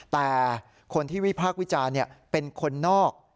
แต่คนที่วิพากษ์วิจารณ์เป็นคนนอก